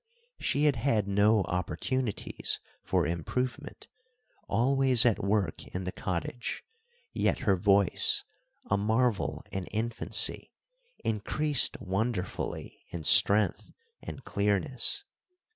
She had had no opportunities for improvement, always at work in the cottage; yet her voice, a marvel in infancy, increased wonderfully in strength and clearness.